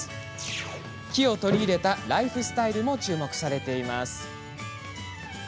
木を取り入れたライフスタイルも注目されています。